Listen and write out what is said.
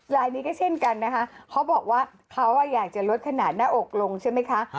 ลายนี้ก็เช่นกันนะคะเขาบอกว่าเขาอยากจะลดขนาดหน้าอกลงใช่ไหมคะ